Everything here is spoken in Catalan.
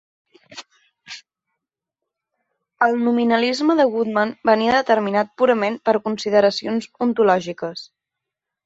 El nominalisme de Goodman venia determinat purament per consideracions ontològiques.